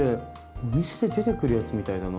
お店で出てくるやつみたいだな。